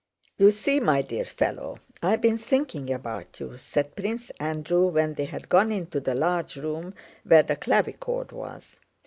"You see, my dear fellow, I have been thinking about you," said Prince Andrew when they had gone into the large room where the clavichord was.